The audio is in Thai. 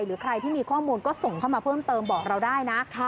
หรือใครที่มีข้อมูลก็ส่งเข้ามาเพิ่มเติมบอกเราได้นะ